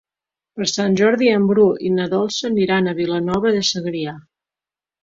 Per Sant Jordi en Bru i na Dolça aniran a Vilanova de Segrià.